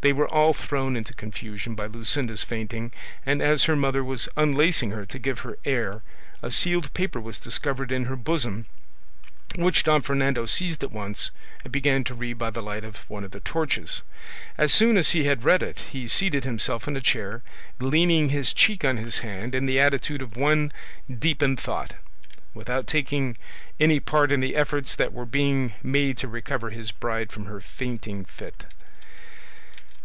They were all thrown into confusion by Luscinda's fainting, and as her mother was unlacing her to give her air a sealed paper was discovered in her bosom which Don Fernando seized at once and began to read by the light of one of the torches. As soon as he had read it he seated himself in a chair, leaning his cheek on his hand in the attitude of one deep in thought, without taking any part in the efforts that were being made to recover his bride from her fainting fit.